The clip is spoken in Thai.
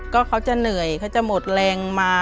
ก็เขาจะเหนื่อยเขาจะหมดแรงมา